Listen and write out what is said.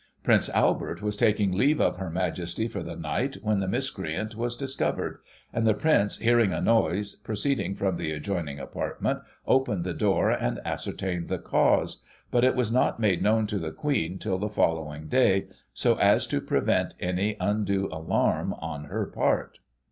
Prince Albert was taking leave of Her Majesty for the night, when the miscreant was discovered ; and the Prince, Digitized by Google i84o] THE BOY JONES. 151 hearing a noise proceeding from the adjoining apartment, opened the door, and ascertained the cause ; but it was not made known to the Queen till the following day, so as to prevent any undue alarm on her part.